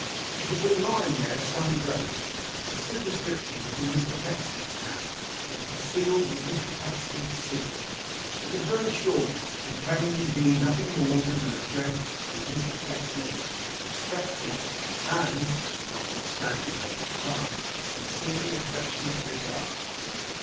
It had been lying there some days. The superscription was in Mr Pecksniff's hand, and it was sealed with Mr Pecksniff's seal. It was very short, containing indeed nothing more than an address 'with Mr Pecksniff's respectful, and (not withstanding what has passed) sincerely affectionate regards.